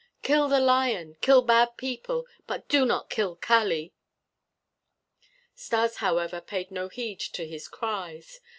Kill the lion! Kill bad people, but do not kill Kali!" Stas, however, paid no heed to his cries.